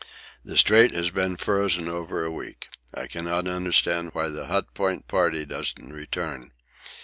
The Strait has been frozen over a week. I cannot understand why the Hut Point party doesn't return.